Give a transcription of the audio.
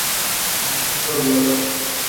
ڀمرو کپرو گيو پرو